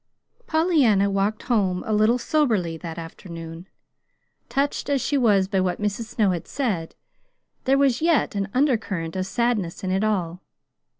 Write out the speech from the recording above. Pollyanna walked home a little soberly that afternoon. Touched as she was by what Mrs. Snow had said, there was yet an undercurrent of sadness in it all.